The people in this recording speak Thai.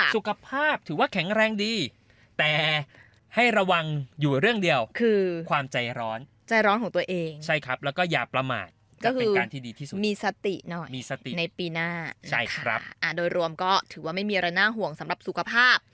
สุขภาพถือว่าแข็งแรงดีแต่ให้ระวังอยู่เรื่องเดียวคือความใจร้อนใจร้อนของตัวเองใช่ครับแล้วก็อย่าประมาทก็เป็นการที่ดีที่สุดมีสติหน่อยมีสติในปีหน้าใช่ครับโดยรวมก็ถือว่าไม่มีอะไรน่าห่วงสำหรับสุขภาพ